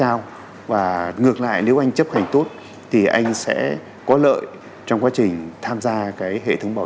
cao và ngược lại nếu anh chấp hành tốt thì anh sẽ có lợi trong quá trình tham gia cái hệ thống bảo